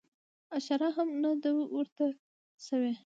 اشاره هم نه ده ورته سوې.